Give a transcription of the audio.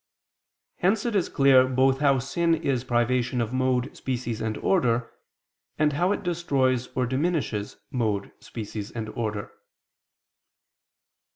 Hence it is clear both how sin is privation of mode, species and order, and how it destroys or diminishes mode, species and order.